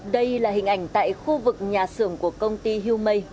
đây là hình ảnh tại khu vực nhà xưởng của công ty humei